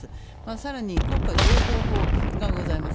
さらに国家情報法がございます。